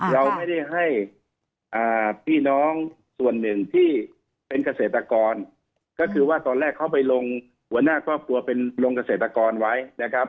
เราไม่ได้ให้พี่น้องส่วนหนึ่งที่เป็นเกษตรกรก็คือว่าตอนแรกเขาไปลงหัวหน้าครอบครัวเป็นลงเกษตรกรไว้นะครับ